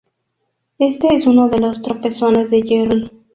Este es uno de los tropezones de Jerry